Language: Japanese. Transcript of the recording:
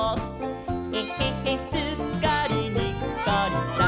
「えへへすっかりにっこりさん！」